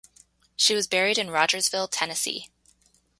She was buried in Rogersville, Tennessee.